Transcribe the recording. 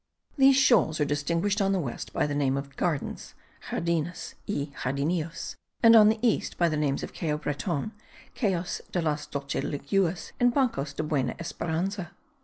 These shoals are distinguished on the west by the name of Gardens (Jardines y Jardinillos); and on the east, by the names Cayo Breton, Cayos de las doce Leguas, and Bancos de Buena Esperanza.